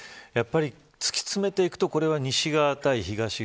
やはり突き詰めていくとこれは西側対東側